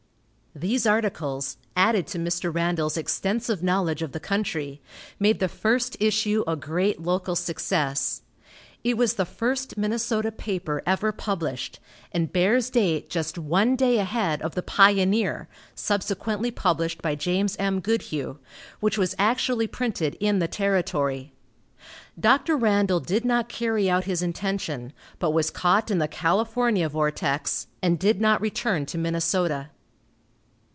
These articles, added to Mr. Randall's extensive knowledge of the country, made the first issue a great local success. It was the first Minnesota paper ever published, and bears date just one day ahead of the Pioneer, subsequently published by James M. Goodhue, which was actually printed in the territory. Dr. Randall did not carry out his intention, but was caught in the California vortex, and did not return to Minnesota.